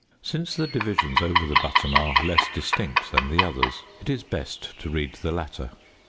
Since the divisions over the button are less distinct than the others, it is best to read the latter.